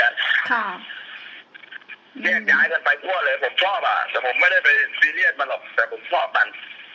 แยกย้ายกันไปทั่วเลยผมชอบอ่ะแต่ผมไม่ได้ไปซีเรียสมันหรอกแต่ผมชอบมัน